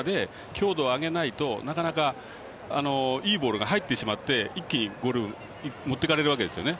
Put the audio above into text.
強度を上げないと、なかなかいいボールが入ってしまって一気にゴールに持っていかれるわけですね。